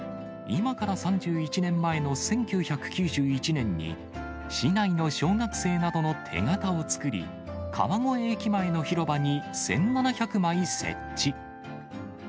今から３１年前の１９９１年に、市内の小学生などの手形を作り、川越駅前の広場に１７００枚設置。